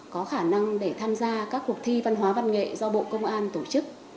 có khả năng để tham gia các cuộc thi văn hóa văn nghệ do bộ công an tổ chức